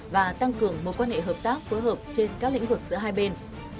và tăng cường mối quan hệ hợp tác phối hợp trên các lĩnh vực giữa hai bên